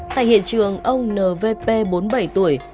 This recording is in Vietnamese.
tại hiện trường ông nvp bốn mươi bảy tuổi